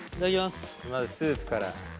まずスープから。